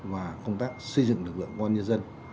và công tác xây dựng lực lượng công an nhân dân